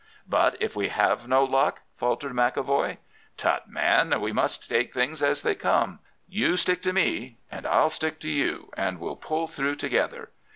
"'But if we have no luck?' faltered McEvoy. "'Tut, man, we must take things as they come. You stick to me, and I'll stick to you, and we'll pull through together.